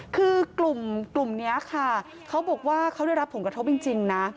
คือกลุ่มนี้ค่ะเขาบอกว่าเขาได้รับผลกระทบจริงนะ